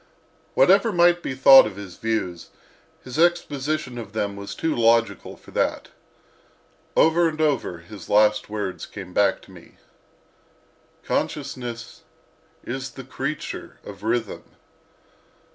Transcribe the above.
Whatever might be thought of his views, his exposition of them was too logical for that. Over and over, his last words came back to me: "Consciousness is the creature of Rhythm."